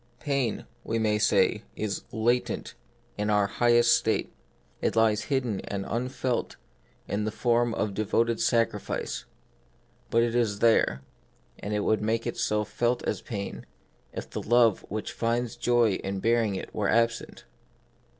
Pain, we may say, is latent, in our highest state. It lies hidden and unfelt in the 36 The Mystery of Pant. form of devoted sacrifice ; but it is there, and it would make itself felt as pain if the love which finds joy in bearing it were absent.